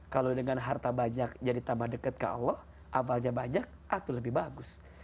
kalau dengan harta banyak jadi tambah deket ke allah amalnya banyak atau lebih bagus